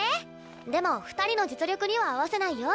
でも２人の実力には合わせないよ？